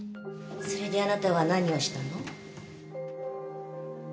それであなたは何をしたの？